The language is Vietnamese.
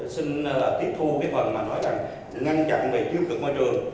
xin tiếp thu cái phần mà nói là ngăn chặn về chiêu cực môi trường